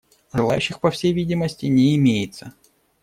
Желающих, по всей видимости, не имеется.